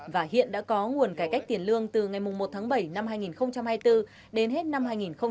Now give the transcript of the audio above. và hiện đã có nguồn cải cách tiền lương từ ngày một tháng bảy năm hai nghìn hai mươi bốn đến hết năm hai nghìn hai mươi bốn